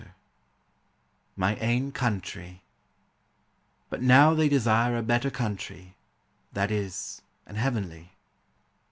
353 MY AIN COUNTREE. 11 But now they desire a better country, that is, an heavenly."